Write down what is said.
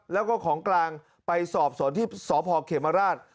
แล้วก็ของกลางไปสอบสวนที่สพเขมราช